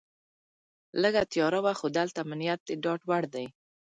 لږه تیاره وه خو دلته امنیت د ډاډ وړ دی.